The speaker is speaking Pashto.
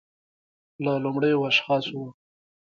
له لومړیو اشخاصو و